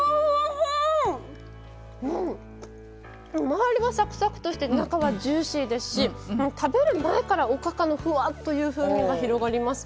周りがサクサクとして中はジューシーですし食べる前からおかかのふわっという風味が広がります。